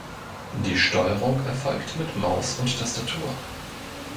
Die Steuerung erfolgt mit Maus und Tastatur.